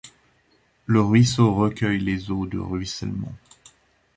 Le ruisseau recueille les eaux de ruissellement.